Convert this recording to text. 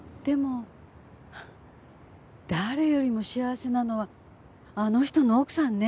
でも誰よりも幸せなのはあの人の奥さんね。